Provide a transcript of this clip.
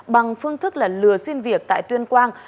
bằng phương thức là lừa xin việc tại tuyên quang